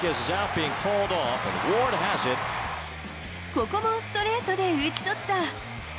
ここもストレートで打ち取った。